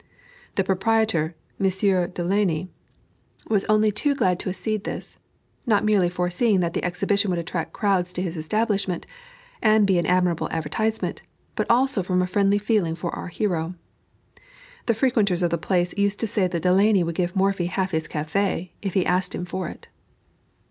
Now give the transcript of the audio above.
The proprietor, Monsieur Delaunay, was only too glad to accede to this; not merely foreseeing that the exhibition would attract crowds to his establishment, and be an admirable advertisement, but also from a friendly feeling for our hero. The frequenters of the place used to say that Delaunay would give Morphy half his café, if he asked him for it.